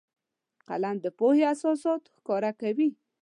قلم د پوهې اساسات ښکاره کوي